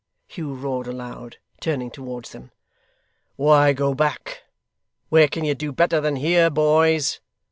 Hugh roared aloud, turning towards them. 'Why go back? Where can you do better than here, boys!